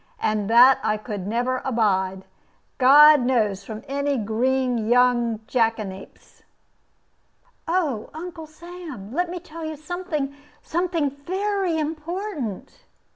And that I could never abide, God knows, from any green young jackanapes." "Oh, Uncle Sam, let me tell you something something very important!"